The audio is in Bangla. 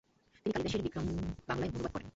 তিনি কালিদাসের বিক্রমোর্বশীয় বাংলায় অনুবাদ করেন।